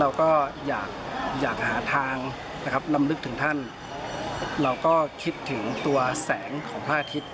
และเราก็อยากหาทางลำนึกพี่น่ารักและเราก็คิดถึงตัวแสงของพระอาทิตย์